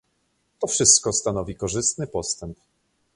To wszystko stanowi korzystny postęp